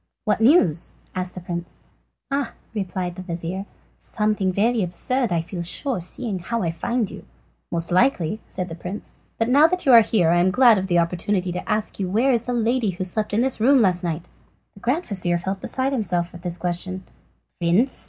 "What news?" asked the prince. "Ah!" replied the vizir, "something absurd, I feel sure, seeing how I find you." "Most likely," said the prince; "but now that you are here I am glad of the opportunity to ask you where is the lady who slept in this room last night?" The grand vizir felt beside himself at this question. "Prince!"